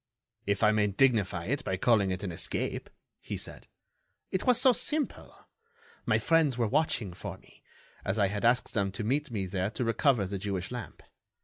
"If I may dignify it by calling it an escape," he said. "It was so simple! My friends were watching for me, as I had asked them to meet me there to recover the Jewish lamp.